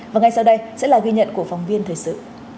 và ngay sau đây sẽ là ghi nhận của phóng viên thời sự